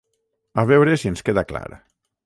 A veure si ens queda clar.